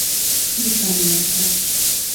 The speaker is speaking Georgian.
ხმა ჩამივარდა.